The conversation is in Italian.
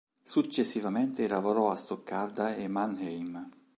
Successivamente lavorò a Stoccarda e Mannheim.